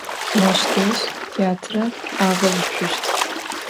Moş dej têatre ağeutsuşt.